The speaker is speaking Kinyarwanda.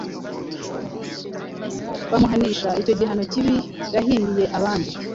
bamuhanisha icyo gihano kibi yahimbiye abandi.